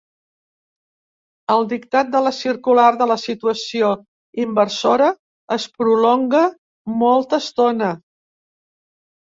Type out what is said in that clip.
El dictat de la circular de la situació inversora es prolonga molta estona.